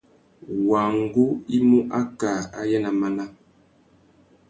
Wăngú i mú akā ayê ná máná.